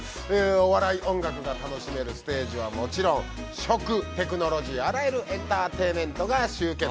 ◆お笑い・音楽が楽しめるステージはもちろん、食、テクノロジー、あらゆるエンターテインメントが集結。